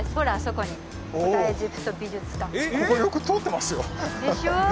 ここよく通ってますよでしょう？